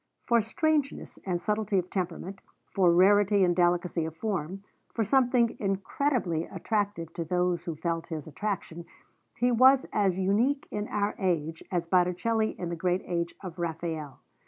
For strangeness and subtlety of temperament, for rarity and delicacy of form, for something incredibly attractive to those who felt his attraction, he was as unique in our age as Botticelli in the great age of Raphael.